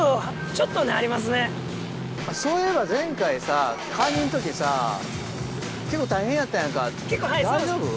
そういえば前回さカニの時さ結構大変やったやんか大丈夫？